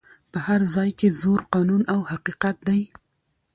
په هر ځای کي زور قانون او حقیقت دی